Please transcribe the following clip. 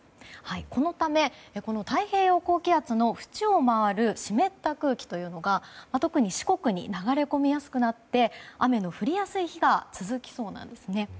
このため、太平洋高気圧のふちを回る湿った空気というのが特に四国に流れ込みやすくなって雨の降りやすい日が続きそうなんですね。